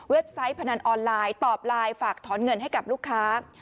ไซต์พนันออนไลน์ตอบไลน์ฝากถอนเงินให้กับลูกค้า